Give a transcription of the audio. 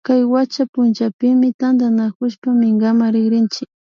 Kay wacha punchapimi tantanakushpa minkaman rikrinchi